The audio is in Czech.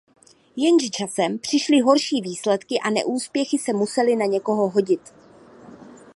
Jenže časem přišly horší výsledky a neúspěchy se musely na někoho hodit.